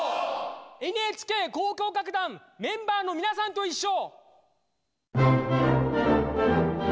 ＮＨＫ交響楽団メンバーのみなさんといっしょ！